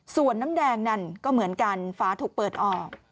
ส่วนน้ำแดงนั่นก็เหมือนกันฝาถูกเปิดออก